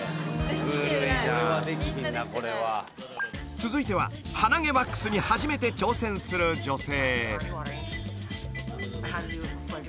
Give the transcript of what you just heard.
続いては鼻毛ワックスに初めて挑戦する女性